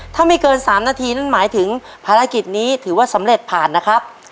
ถ้าไม่เกิน๓นาทีนั่นหมายถึงภารกิจนี้ถือว่าสำเร็จผ่านนะครับ